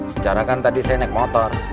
secara kan tadi saya naik motor